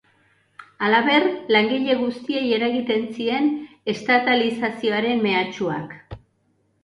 Halaber, langile guztiei eragiten zien estatalizazioaren mehatxuak.